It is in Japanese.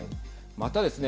またですね